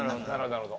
なるほど。